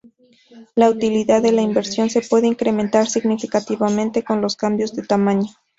La utilidad de la inversión se puede incrementar significativamente con los cambios de tamaño.